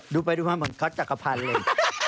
ดูไปดูมาเหมือนเขาจักรพันธ์เลย